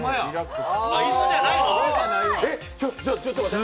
えっ、ちょっと待って。